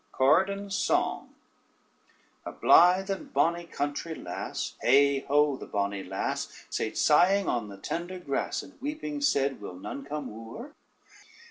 ] Corydon's Song A blithe and bonny country lass, heigh ho, the bonny lass! Sate sighing on the tender grass and weeping said, will none come woo her.